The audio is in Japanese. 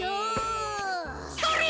それ！